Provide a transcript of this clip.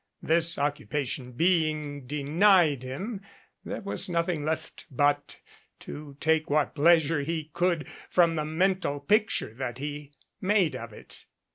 This occupa tion being denied him, there was nothing left but to take what pleasure he could from the mental picture that he made of it.